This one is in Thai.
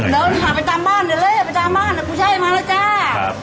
เดี๋ยวพาไปจำบ้านเดี๋ยวเลยไปจำบ้านนะผู้ชายมาแล้วจ้า